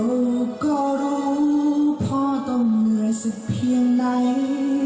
ลูกก็รู้พ่อต้องเหนื่อยสักเพียงไหน